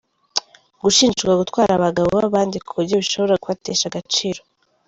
Gushinjwa gutwara abagabo b’abandi ku buryo bishobora kubatesha agaciro;.